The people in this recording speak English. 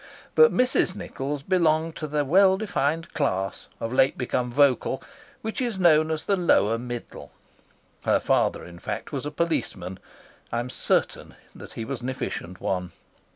But Mrs. Nichols belonged to the well defined class, of late become vocal, which is known as the lower middle. Her father, in fact, was a policeman. I am certain that he was an efficient one.